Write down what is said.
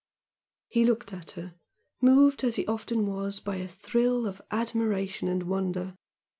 He looked at her, moved as he often was by a thrill of admiration and wonder.